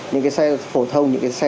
những cái xe phổ thông những cái xe